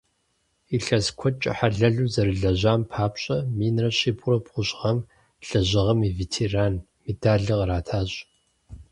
Илъэс куэдкӏэ хьэлэлу зэрылэжьам папщӏэ, минрэ щибгъурэ бгъущӏ гъэм «Лэжьыгъэм и ветеран» медалыр къратащ.